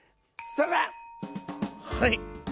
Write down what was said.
はい！